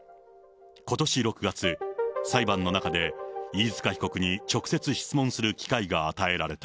ことし６月、裁判の中で飯塚被告に直接質問する機会が与えられた。